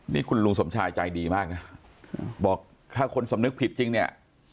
นี่คุณลุงสมชายใจดีมากนะบอกถ้าคนสำนึกผิดจริงเนี่ย